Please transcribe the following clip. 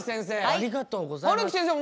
ありがとうございます。